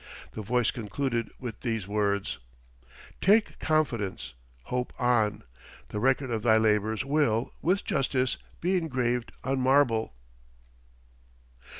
The voice concluded with these words: 'Take confidence, hope on; the record of thy labours will, with justice, be engraved on marble.'"